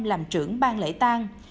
làm trưởng ban lễ tang